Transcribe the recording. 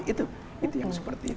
itu yang seperti itu